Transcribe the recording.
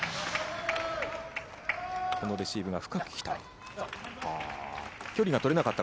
このレシーブが深くきた。